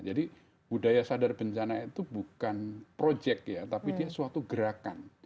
jadi budaya sadar bencana itu bukan project ya tapi dia suatu gerakan